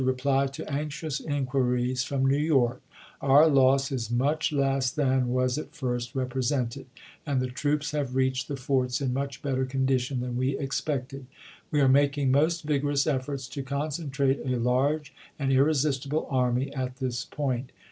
reply to anxious inquiries from New York :" Our loss is much less than was at first represented, and the troops have reached the forts in much better condition than we expected." " We are making most vigorous efforts to concentrate a large and irresistible army at this point.